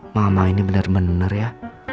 mama ini benar benar ya